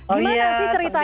gimana sih ceritanya